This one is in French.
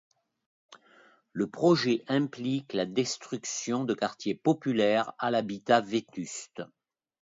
Le projet implique la destruction de quartiers populaires à l'habitat vétuste.